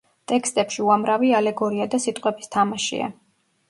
ტექსტებში უამრავი ალეგორია და სიტყვების თამაშია.